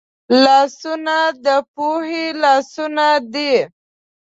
لاسونه د پوهې لاسونه دي